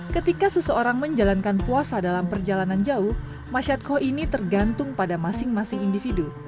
ketika seseorang menjalankan puasa dalam perjalanan jauh masyadho ini tergantung pada masing masing individu